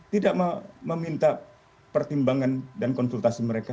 tidak meminta pertimbangan dan konsultasi mereka